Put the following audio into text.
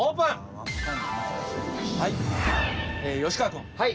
吉川君。